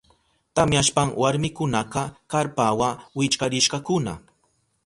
Tamyashpan warmikunaka karpawa wichkarishkakuna.